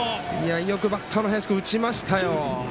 よくバッターの林君打ちましたよ。